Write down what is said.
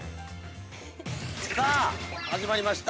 ◆さあ、始まりました